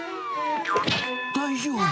大丈夫？